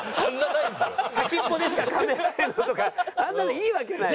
先っぽでしか噛めないのとかあんなのいいわけないよ。